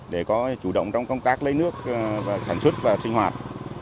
để có chủ động trong công tác lấy nước sản xuất và sinh hoạt